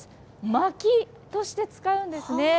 まきとして使うんですね。